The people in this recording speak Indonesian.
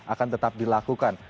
akan tetap dilakukan